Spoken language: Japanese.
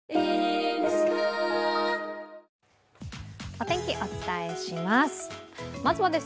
お天気、お伝えします。